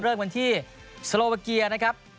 เรื่องกันที่โซโลวาเกียนะครับ